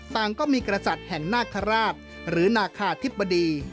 ต่างก็มีกษัตริย์แห่งนาคาราชหรือนาคาธิบดี